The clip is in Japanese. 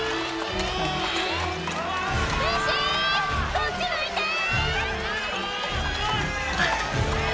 こっち向いてーー！！